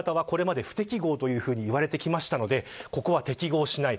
Ｂ型とＯ型はこれまで不適合と言われてきましたのでここは適合しない。